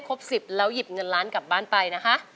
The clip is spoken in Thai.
ครบ๑๐แล้วหยิบเงินล้านกลับบ้านไปนะคะ